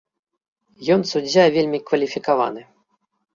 Ён суддзя вельмі кваліфікаваны.